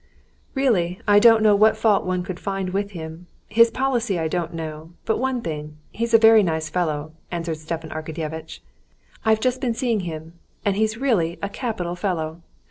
"Really, I don't know what fault one could find with him. His policy I don't know, but one thing—he's a very nice fellow," answered Stepan Arkadyevitch. "I've just been seeing him, and he's really a capital fellow.